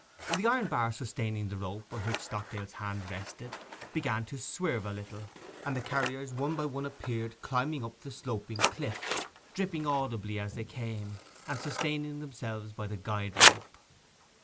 The iron bar sustaining the rope, on which Stockdale's hand rested, began to swerve a little, and the carriers one by one appeared climbing up the sloping cliff; dripping audibly as they came, and sustaining themselves by the guide rope.